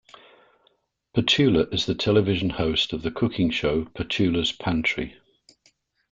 Petula is the television host of the cooking show "Petula's Pantry".